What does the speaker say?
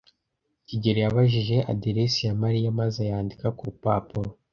kigeli yabajije aderesi ya Mariya maze ayandika ku rupapuro.